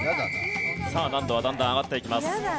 さあ難度はだんだん上がっていきます。